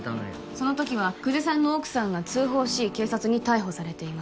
その時は久世さんの奥さんが通報し警察に逮捕されています